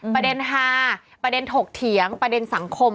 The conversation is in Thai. ประเด็นฮาประเด็นถกเถียงประเด็นสังคม